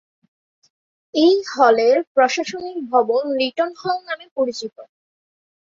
এই হলের প্রশাসনিক ভবন লিটন হল নামে পরিচিত।